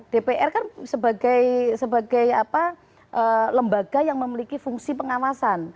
dpr kan sebagai lembaga yang memiliki fungsi pengawasan